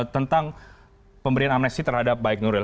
tentang pemberian amnesti terhadap baik nuril